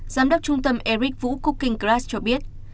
giám đốc trung tâm eric vũ cooking grass cho biết